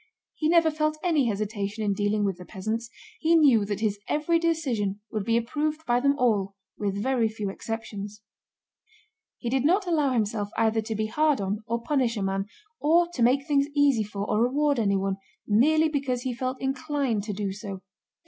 He never felt any hesitation in dealing with the peasants. He knew that his every decision would be approved by them all with very few exceptions. He did not allow himself either to be hard on or punish a man, or to make things easy for or reward anyone, merely because he felt inclined to do so.